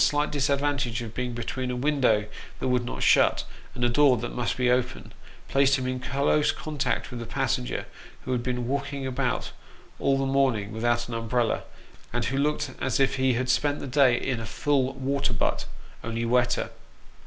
slight disadvantage of being between a window that would not shut, and a door that must be open, placed him in close contact with a passenger, who had been walking about all the morning without an umbrella, and who looked as if he had spent the day in a full water butt only wetter.